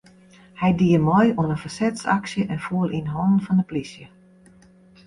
Hy die mei oan in fersetsaksje en foel yn hannen fan de polysje.